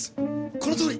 このとおり！